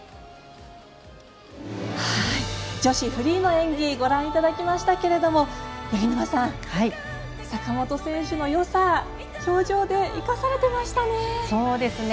女子フリーの演技ご覧いただきましたけれども八木沼さん、坂本選手のよさ氷上で生かされていましたね。